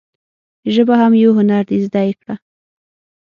ژبه هم یو هنر دي زده یی کړه.